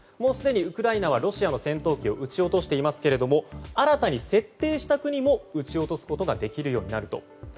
すでにウクライナはロシアの戦闘機を撃ち落としていますが新たに設定した国も撃ち落とすことができるようになると。